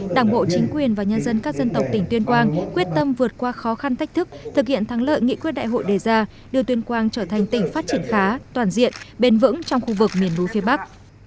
đảng bộ chính quyền và nhân dân các dân tộc tỉnh tuyên quang quyết tâm vượt qua khó khăn thách thức thực hiện thắng lợi nghị quyết đại hội đề ra đưa tuyên quang trở thành tỉnh phát triển khá toàn diện bền vững trong khu vực miền núi phía bắc